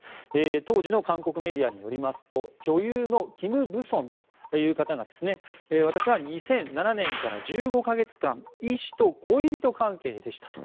当時の韓国メディアによりますと女優のキム・ブソンという方が私は２００７年から１５か月間イ氏と恋人関係でしたと。